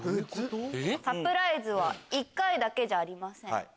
サプライズは１回だけじゃありません。